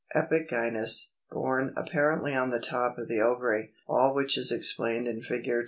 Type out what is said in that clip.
Epigynous, borne apparently on the top of the ovary; all which is explained in Fig.